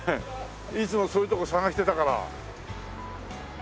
いつもそういうとこ探してたから。